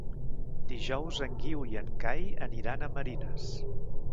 Dijous en Guiu i en Cai aniran a Marines.